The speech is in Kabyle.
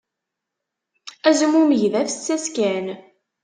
Azmumeg d afessas kan.